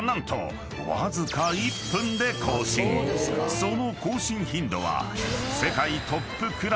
［その更新頻度は］